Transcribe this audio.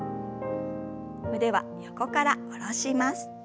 腕は横から下ろします。